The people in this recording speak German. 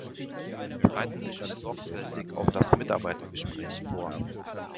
Bereiten Sie sich sorgfältig auf das Mitarbeitergespräch vor!